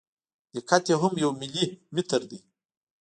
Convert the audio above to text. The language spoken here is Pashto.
دقت یې هم یو ملي متر دی.